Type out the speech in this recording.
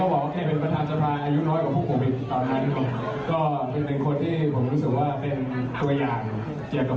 รวมถึงเป็นหนึ่งใน๓สศที่น้องศาลายาต่อต้านักต่อหารใช่ไหมครับ